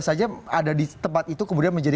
saja ada di tempat itu kemudian menjadi